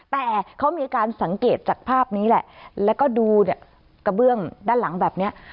แต่เขามีการสังเกตจากภาพนี้แหละแล้วก็ดูเนี่ยกระเบื้องด้านหลังแบบเนี้ย